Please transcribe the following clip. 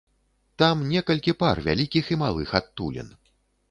Там некалькі пар вялікіх і малых адтулін.